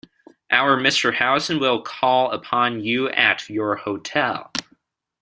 Our Mr Howison will call upon you at your hotel.